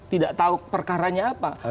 tidak tahu perkaranya apa